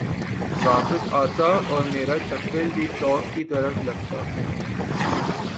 واپس آتا اورمیرا چکر بھی چوک کی طرف لگتا